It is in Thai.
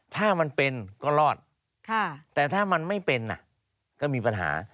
ถ้ามันเป็นก็รอดแต่ถ้ามันไม่เป็นก็มีปัญหา